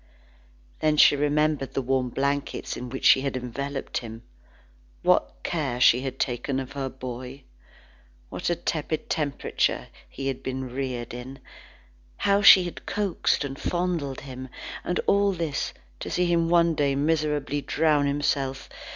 Then she remembered the warm blankets in which she had enveloped him. What care she had taken of her boy! What a tepid temperature he had been reared in! How she had coaxed and fondled him! And all this to see him one day miserably drown himself!